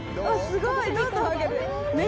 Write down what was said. すごい！